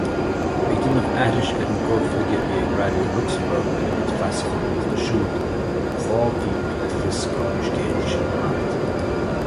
Ag déanamh aithris ar an gcur chuige a bhí ag Raidió Luxembourg ar a gcuid feasachán nuachta siúd, thug dhá bhíp le fios go raibh an scéal sin thart.